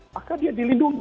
maka dia dilindungi